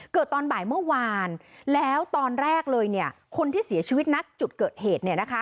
เกิดตอนบ่ายเมื่อวานแล้วตอนแรกเลยเนี่ยคนที่เสียชีวิตนักจุดเกิดเหตุเนี่ยนะคะ